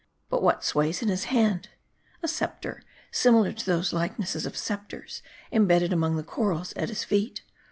But what sways in his hand ? A scepter, similar to those likenesses of scepters, imbedded among the corals at his feet.